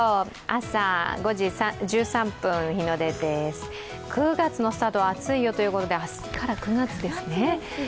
朝５時１３分、日の出です、９月のスタートは暑いよということで、明日から９月ですね。